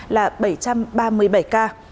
là bảy trăm ba mươi bảy ca